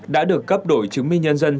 đã được cấp đổi chứng minh nhân dân